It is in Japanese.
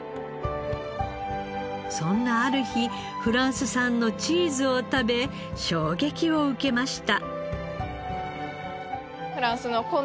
そんなある日フランス産のチーズを食べ衝撃を受けました。